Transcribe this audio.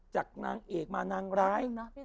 นางเอกมานางร้าย